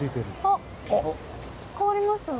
あっ変わりましたね